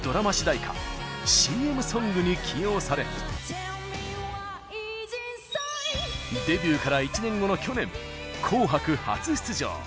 ＣＭソングに起用されデビューから１年後の去年「紅白」初出場！